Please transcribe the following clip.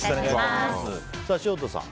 潮田さん